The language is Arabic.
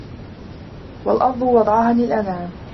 وَالأَرضَ وَضَعَها لِلأَنامِ